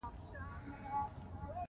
لوگر د افغان کورنیو د دودونو مهم عنصر دی.